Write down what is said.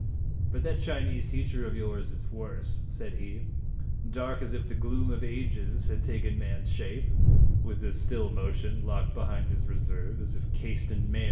"But that Chinese teacher of yours is worse," said he; "dark as if the gloom of ages had taken man's shape, with as still motion, locked behind his reserve, as if cased in mail.